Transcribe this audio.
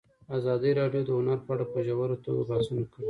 ازادي راډیو د هنر په اړه په ژوره توګه بحثونه کړي.